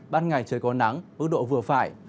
ban ngày trời có nắng ước độ vừa phải